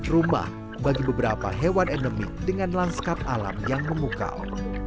rumah bagi beberapa hewan endemik dengan lanskap alam yang memukau